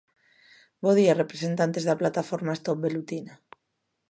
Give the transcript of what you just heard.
Bo día representantes da Plataforma Stop Velutina.